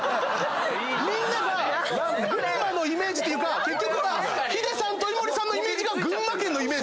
みんなが群馬のイメージというか結局はヒデさんと井森さんのイメージが群馬県のイメージなんですよ。